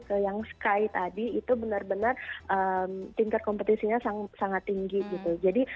ke yang sky tadi itu benar benar tingkat kompetisinya sangat tinggi gitu jadi